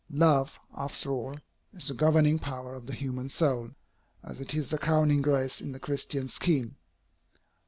Love, after all, is the governing power of the human soul, as it is the crowning grace in the Christian scheme.